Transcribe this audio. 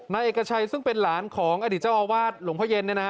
นายเอกชัยซึ่งเป็นหลานของอดีตเจ้าอาวาสหลวงพ่อเย็น